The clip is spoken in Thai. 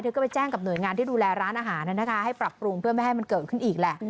ก็ไปแจ้งกับหน่วยงานที่ดูแลร้านอาหารให้ปรับปรุงเพื่อไม่ให้มันเกิดขึ้นอีกแหละ